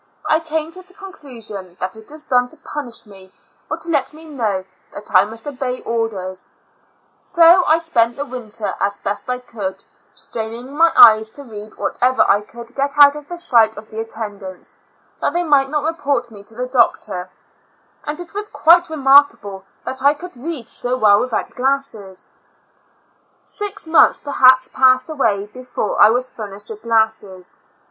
I came to the con elusion that it was done to punish me, or to let me know that I must obey orders. 80 • Two Years AND Four Months So I spent the winter the best I could, straining my eyes to read whenever I could get out of the sight of the attendants, that they might not report me to the doctor; ^ and it was quite remarkable that I could read so well without glasses. Six months perhaps passed away before I was furnished with glasses.